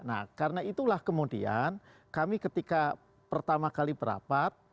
nah karena itulah kemudian kami ketika pertama kali berapat